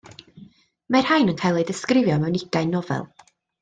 Mae'r rhain yn cael eu disgrifio mewn ugain nofel.